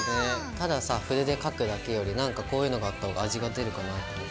たださ筆で描くだけより何かこういうのがあった方が味が出るかなと思って。